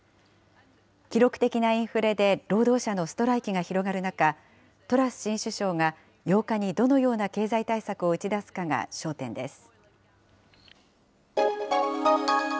記録的なインフレで労働者のストライキが広がる中、トラス新首相が８日にどのような経済対策を打ち出すかが焦点です。